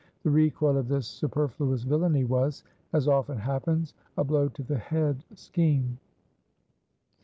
The recoil of this superfluous villainy was, as often happens, a blow to the head scheme.